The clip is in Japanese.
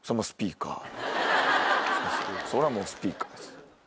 そらもうスピーカーです。